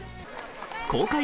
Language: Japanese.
公開